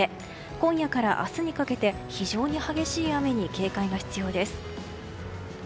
今夜から明日にかけて非常に激しい雨に警戒が必要です。